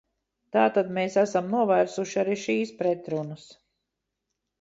Tātad mēs esam novērsuši arī šīs pretrunas.